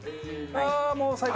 ああもう最高。